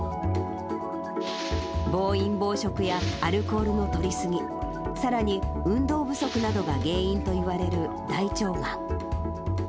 暴飲暴食やアルコールのとり過ぎ、さらに運動不足などが原因といわれる大腸がん。